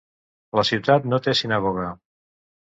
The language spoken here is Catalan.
La ciutat no té sinagoga.